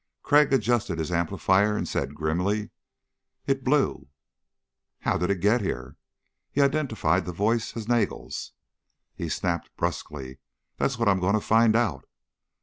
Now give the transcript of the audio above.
Crag adjusted his amplifier and said grimly: "It blew." "How ... how did it get here?" He identified the voice as Nagel's. He snapped brusquely, "That's what I'm going to find out."